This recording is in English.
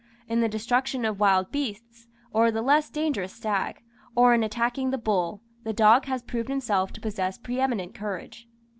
In the destruction of wild beasts, or the less dangerous stag, or in attacking the bull, the dog has proved himself to possess pre eminent courage.